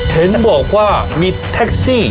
เห็นบอกว่ามีแท็กซี่